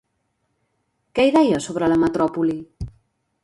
Què hi deia sobre la metròpoli?